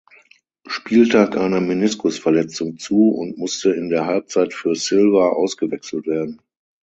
Spieltag eine Meniskusverletzung zu und musste in der Halbzeit für Silva ausgewechselt werden.